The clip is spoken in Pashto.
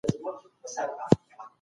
ته ولي ونې ته اوبه ورکوې؟